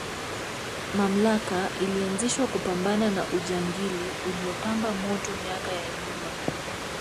mamlaka ilianzishwa kupambana na ujangili uliopamba moto miaka ya nyuma